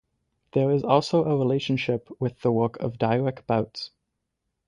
There is also a relationship with the work of Dieric Bouts.